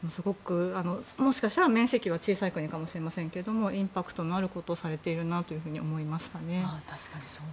もしかしたら面積は小さい国かもしれませんけどインパクトのあることをされているなと思いましたね。